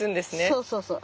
そうそうそう。